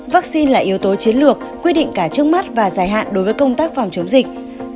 vaccine là yếu tố chiến lược quy định cả trước mắt và dài hạn đối với công tác phòng chống dịch